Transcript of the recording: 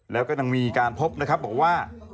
แล้วก็ยังมีการพบนะครับบอกว่า